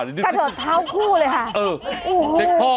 น่ากลับเท้าคู่เลยค่ะ